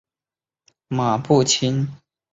马步青所属部队的番号也改为陆军骑兵第五师。